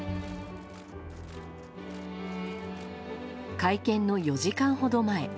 会見の４時間ほど前。